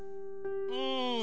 うん。